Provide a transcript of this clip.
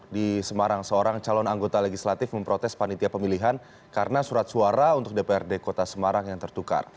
di semarang seorang calon anggota legislatif memprotes panitia pemilihan karena surat suara untuk dprd kota semarang yang tertukar